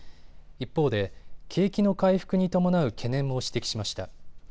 一方で景気の回復に伴う懸念も指摘しました。